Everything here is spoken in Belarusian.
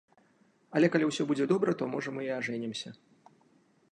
Але калі ўсё будзе добра, то, можа, мы і ажэнімся.